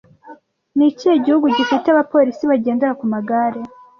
Nikihe gihugu gifite abapolisi bagendera ku magare